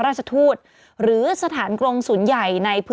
มีสารตั้งต้นเนี่ยคือยาเคเนี่ยใช่ไหมคะ